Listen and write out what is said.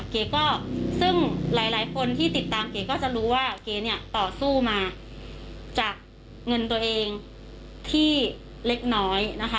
เก๋ก็ซึ่งหลายคนที่ติดตามเก๋ก็จะรู้ว่าเก๋เนี่ยต่อสู้มาจากเงินตัวเองที่เล็กน้อยนะคะ